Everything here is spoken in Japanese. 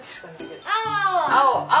青青。